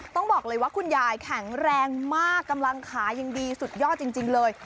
ต้องบอกเลยว่าคุณยายแข็งแรงมากกำลังขายังดีสุดยอดจริงเลย